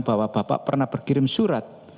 bahwa bapak pernah berkirim surat